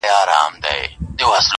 څوک و یوه او څوک وبل ته ورځي-